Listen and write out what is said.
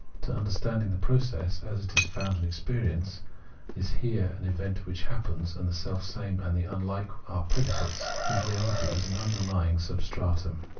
To understanding the process, as it is found in experience, is here an event that happens, and the selfsame and the unhke are predicates, whose reality is an underlying sub stratum.